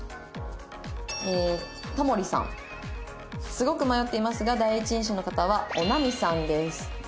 「すごく迷っていますが第一印象の方はおなみさんです」